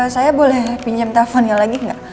saya boleh pinjam telfonnya lagi gak